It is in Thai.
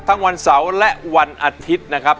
วันเสาร์และวันอาทิตย์นะครับ